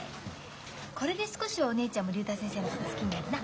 これで少しはお姉ちゃんも竜太先生のこと好きになるな。